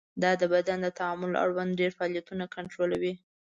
دا د بدن د تعادل اړوند ډېری فعالیتونه کنټرولوي.